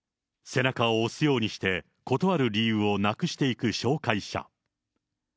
背中を押すようにして断る理由をなくしていく紹介者。